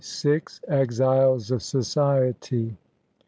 EXILES OF SOCIETY.